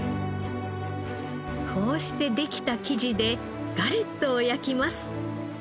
こうしてできた生地でガレットを焼きます。